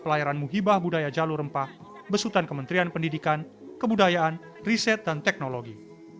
pelayaran muhibah budaya jalur rempah besutan kementerian pendidikan kebudayaan riset dan teknologi